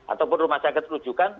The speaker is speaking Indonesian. ataupun rumah sakit rujukan